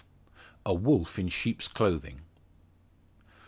A WOLF IN SHEEP'S CLOTHING.